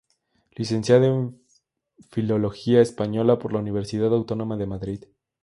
Licenciado en Filología Española por la Universidad Autónoma de Madrid.